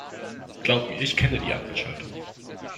Glaub mir, ich kenne die Ampelschaltung.